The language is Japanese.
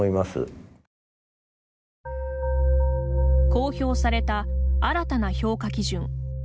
公表された新たな評価基準。